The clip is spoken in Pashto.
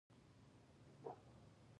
هېواد د رحمت پرښتې راجلبوي.